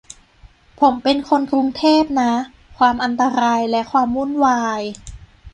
ผมเป็นคนกรุงเทพนะ ความอันตราย และความวุ่นวาย